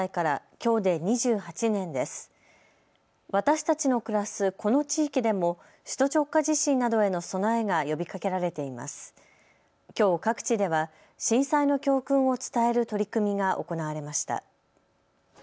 きょう各地では震災の教訓を伝える取り組みが行われました。